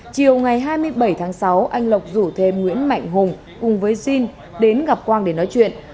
chiều ngày hai mươi bảy tháng sáu anh lộc rủ thêm nguyễn mạnh hùng cùng với sinh đến gặp quang để nói chuyện